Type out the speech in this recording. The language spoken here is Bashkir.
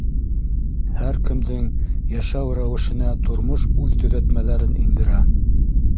Һәр кемдең йәшәү рәүешенә тормош үҙ төҙәтмәләрен индерә.